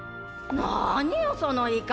何よその言い方！